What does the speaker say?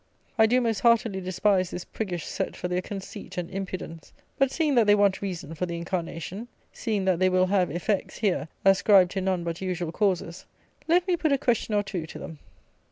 I do most heartily despise this priggish set for their conceit and impudence; but, seeing that they want reason for the incarnation; seeing that they will have effects, here, ascribed to none but usual causes, let me put a question or two to them.